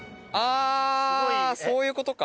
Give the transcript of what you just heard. あそういうことか。